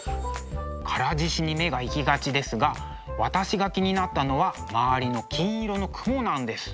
唐獅子に目が行きがちですが私が気になったのは周りの金色の雲なんです。